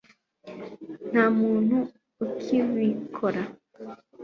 nta muntu ukibikora